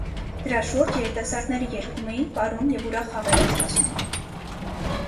Դրա շուրջ երիտասարդները երգում էին, պարում և ուրախ խաղեր անցկացնում։